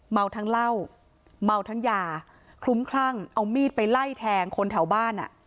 เมาทั้งเหล้าเมาทั้งยาคลุ้มคลั่งเอามีดไปไล่แทงคนแถวบ้านอ่ะ